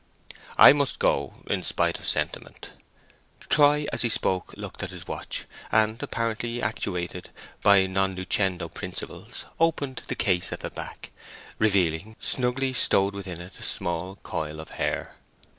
"I must go, in spite of sentiment." Troy, as he spoke, looked at his watch, and, apparently actuated by non lucendo principles, opened the case at the back, revealing, snugly stowed within it, a small coil of hair.